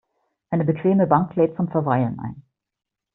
Eine bequeme Bank lädt zum Verweilen ein.